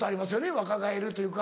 若返るというか。